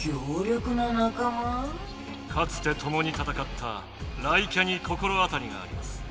かつてともにたたかった雷キャに心当たりがあります。